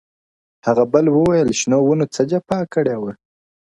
هغه بل وویل شنو ونو څه جفا کړې وه؟-